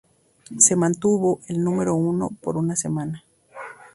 Se mantuvo en el número uno por una semana.